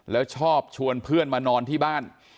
แล้วชอบชวนเพื่อนมานอนที่บ้าน